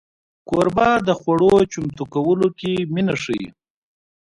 کوربه د خوړو چمتو کولو کې مینه ښيي.